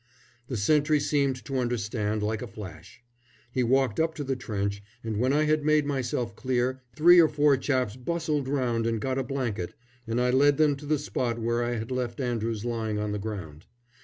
The sentry seemed to understand like a flash. He walked up to the trench, and when I had made myself clear, three or four chaps bustled round and got a blanket, and I led them to the spot where I had left Andrews lying on the ground.